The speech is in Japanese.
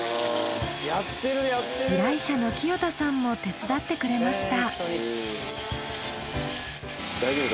依頼者の清田さんも手伝ってくれました。